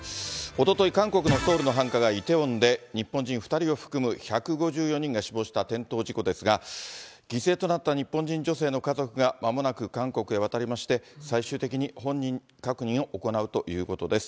おととい、韓国のソウルの繁華街、梨泰院で、日本人２人を含む１５４人が死亡した転倒事故ですが、犠牲となった日本人女性の家族がまもなく韓国へ渡りまして、最終的に本人確認を行うということです。